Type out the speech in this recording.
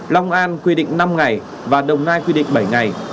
long an quy định năm ngày và đồng nai quy định bảy ngày